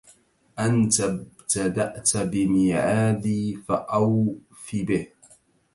أنت ابتدأت بميعادي فأوف به